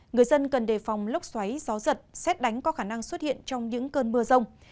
người dân cần đề phòng lốc xoáy gió giật xét đánh có khả năng xuất hiện trong những cơn mưa rông